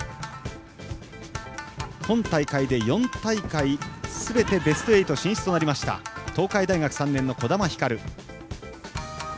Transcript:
今大会で４大会すべてベスト８進出となりました東海大学３年の児玉ひかる。